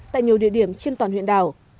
tại nhiều địa điểm trên toàn huyện đảo